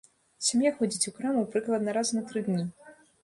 Сям'я ходзіць у краму прыкладна раз на тры дні.